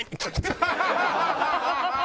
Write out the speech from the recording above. ハハハハ！